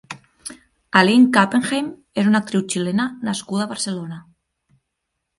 Aline Küppenheim és una actriu xilena nascuda a Barcelona.